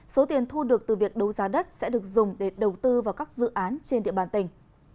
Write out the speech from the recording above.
số tiền thu được từ việc đấu giá đất sẽ được dùng để đầu tư vào các dự án trên địa bàn tỉnh